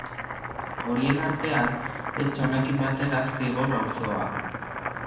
Horien artean, etxe honekin batera, Zigor auzoa.